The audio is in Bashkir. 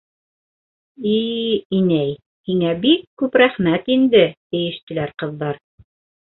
— И инәй, һиңә бик күп рәхмәт инде, — тиештеләр ҡыҙҙар.